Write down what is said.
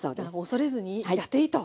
恐れずにやっていいと。